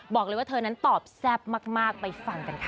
บอกเลยว่าเธอนั้นตอบแซ่บมากไปฟังกันค่ะ